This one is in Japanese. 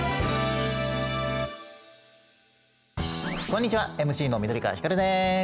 こんにちはＭＣの緑川光です。